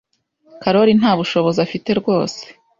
Karoli nta bushobozi afite rwose.